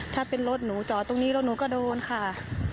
ถ้าเป็นรถหนูจอดตรงนี้รถหนูก็โดนค่ะ